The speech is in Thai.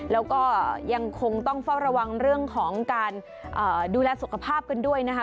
แล้วก็ยังคงต้องเฝ้าระวังเรื่องของการดูแลสุขภาพกันด้วยนะคะ